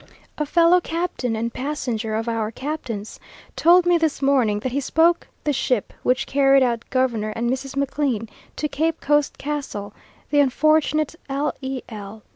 A fellow captain, and passenger of our captain's, told me this morning, that he spoke the ship which carried out Governor and Mrs. McLean to Cape Coast Castle the unfortunate L.E.L.